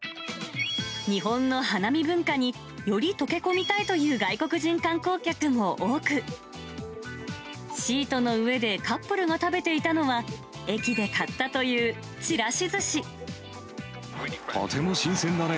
日本の花見文化により溶け込みたいという外国人観光客も多く、シートの上でカップルが食べていたのは、とても新鮮だね。